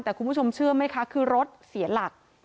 แต่คุณผู้ชมเชื่อไหมคะคือรถเสียหลัก